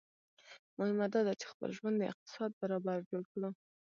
مهمه داده چي خپل ژوند د اقتصاد برابر جوړ کړو